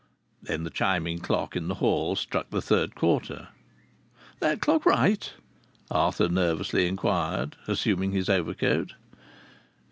Then the chiming clock in the hall struck the third quarter. "That clock right?" Arthur nervously inquired, assuming his overcoat.